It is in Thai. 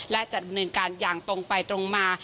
และจะดำเนินการอย่างตรงไปตรงมา